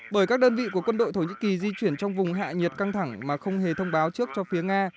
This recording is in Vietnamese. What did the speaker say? bởi các đơn vị của quân đội thổ nhĩ kỳ di chuyển trong vùng hạ nhiệt căng thẳng mà không hề thông báo trước cho phía nga